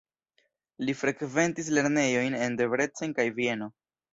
Li frekventis lernejojn en Debrecen kaj Vieno.